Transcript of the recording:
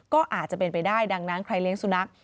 ก็อาจจะเป็นไปได้ดังนั้นใครเลี้ยงสุนัข